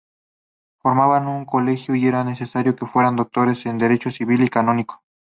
Formaban un colegio y era necesario que fueran doctores en derecho civil y canónico.